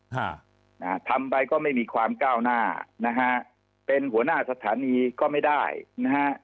ฮะนะฮะทำไปก็ไม่มีความก้าวหน้านะฮะเป็นหัวหน้าสถานีก็ไม่ได้นะฮะ